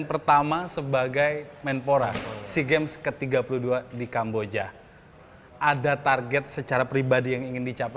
pertama sebagai menpora sea games ke tiga puluh dua di kamboja ada target secara pribadi yang ingin dicapai